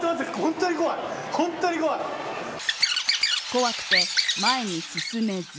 怖くて前に進めず。